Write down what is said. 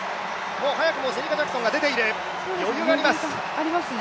もう早くもシェリカ・ジャクソンが出ている、余裕があります。